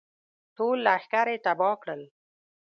ټول لښکر یې تباه کړل.